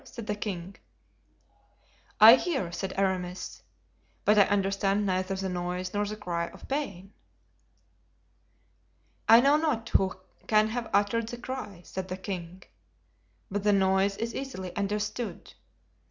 said the king. "I hear," said Aramis, "but I understand neither the noise nor the cry of pain." "I know not who can have uttered the cry," said the king, "but the noise is easily understood.